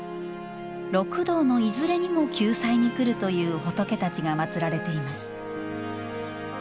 六道のいずれにも救済に来るという仏たちが祭られています。